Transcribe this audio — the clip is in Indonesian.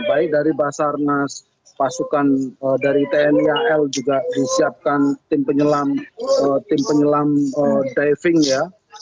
baik dari basarnas pasukan dari tni al juga disiapkan tim penyelam diving ya